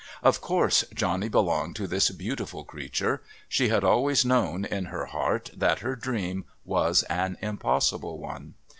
Of course Johnny belonged to this beautiful creature; she had always known, in her heart, that her dream was an impossible one.